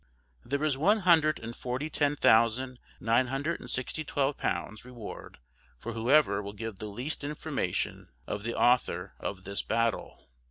There is one hundred and forty ten thousand nine hundred and sixty twelve pounds reward for whoever will give the least information of the author of this battle.